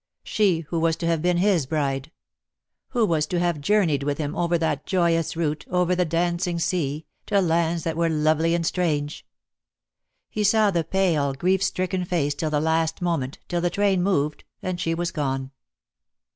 She who was to have been his bride. Who was to have journeyed with him over that joyous route, over the dancing sea, to lands that were lovely and strange. He saw the pale, grief stricken face till the last moment, till the train moved, and she was gone.